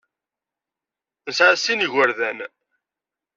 Nesɛa sin n yigerdan.